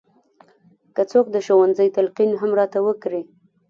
که څوک د ښوونځي تلقین هم راته وکړي.